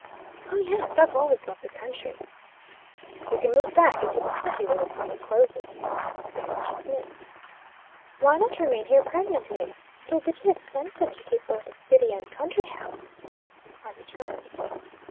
"O, yes. I've always loved the country." "We can move back into the city when the summer closes," said Mr. Smith. "Why not remain here permanently? It will be too expensive to keep both a city and country house," I returned.